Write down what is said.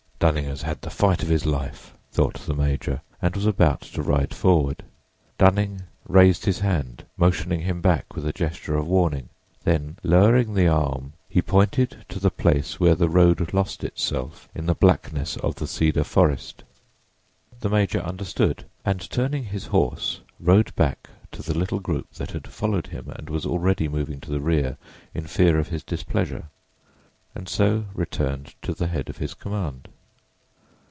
"Dunning has had the fight of his life," thought the major, and was about to ride forward. Dunning raised his hand, motioning him back with a gesture of warning; then, lowering the arm, he pointed to the place where the road lost itself in the blackness of the cedar forest. The major understood, and turning his horse rode back to the little group that had followed him and was already moving to the rear in fear of his displeasure, and so returned to the head of his command.